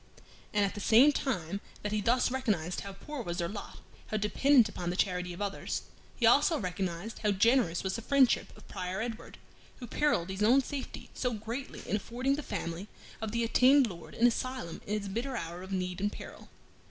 And at the same time that he thus recognized how poor was their lot, how dependent upon the charity of others, he also recognized how generous was the friendship of Prior Edward, who perilled his own safety so greatly in affording the family of the attainted Lord an asylum in its bitter hour of need and peril.